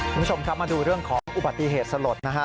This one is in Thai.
คุณผู้ชมครับมาดูเรื่องของอุบัติเหตุสลดนะฮะ